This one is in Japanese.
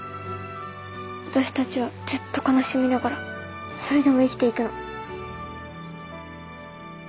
私たちはずっと悲しみながらそれでも生きていくの。